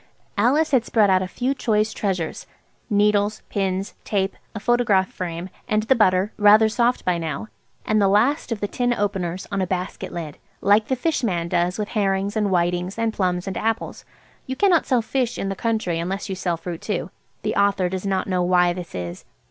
Alice had spread out a few choice treasures–needles, pins, tape, a photograph frame, and the butter, rather soft by now, and the last of the tin openers–on a basket lid, like the fish man does with herrings and whitings and plums and apples (you cannot sell fish in the country unless you sell fruit too. The author does not know why this is).